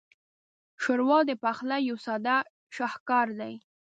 ښوروا د پخلي یو ساده شاهکار دی.